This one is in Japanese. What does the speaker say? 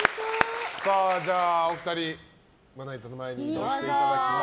お二人、まな板の前に移動していただきまして。